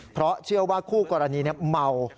เพราะเชื่อว่าคู่กรณีเมา